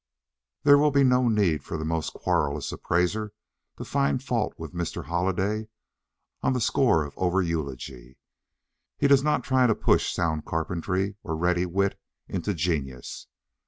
There will be no need for the most querulous appraiser to find fault with Mr. Holliday on the score of over eulogy. He does not try to push sound carpentry or ready wit into genius.